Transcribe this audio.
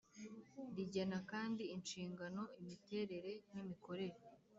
Rigena kandi inshingano imiterere n imikorere